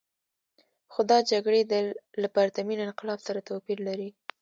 خو دا جګړې له پرتمین انقلاب سره توپیر لري.